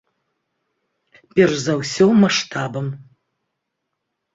Перш за ўсё, маштабам.